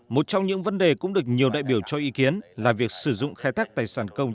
một trong những vấn đề cũng được nhiều đại biểu cho ý kiến là việc sử dụng khai thác tài sản công